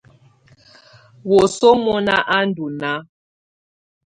Wǝ́suǝ mɔ̀na á ndɔ̀ nàà.